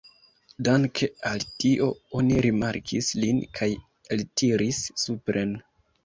Danke al tio oni rimarkis lin kaj eltiris supren.